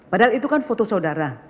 padahal itu kan foto saudara